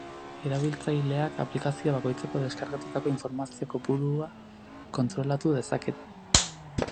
Erabiltzaileak aplikazio bakoitzeko deskargatutako informazio kopurua kontrolatu dezake.